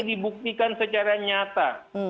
dibuktikan secara nyata